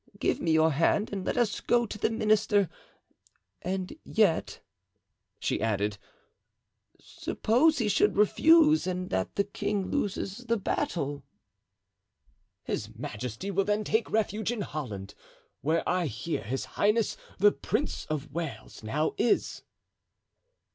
Give me your hand and let us go to the minister; and yet," she added, "suppose he should refuse and that the king loses the battle?" "His majesty will then take refuge in Holland, where I hear his highness the Prince of Wales now is."